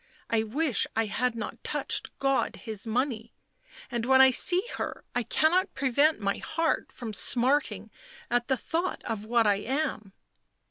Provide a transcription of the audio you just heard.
I wish I had not touched God His money — and when I see her I cannot prevent my heart from smarting at the hought of what I am?"